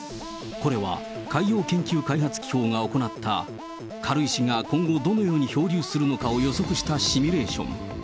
これは海洋研究開発機構が行った、軽石が今後どのように漂流するのかを予測したシミュレーション。